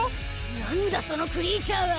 なんだそのクリーチャーは！？